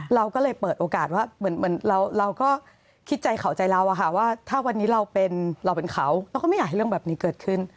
เราก็เลยเปิดโอกาสว่าเหมือนเราก็คิดใจเขาใจเราอะค่ะว่าถ้าวันนี้เราเป็นเราเป็นเขาเราก็ไม่อยากให้เรื่องแบบนี้เกิดขึ้น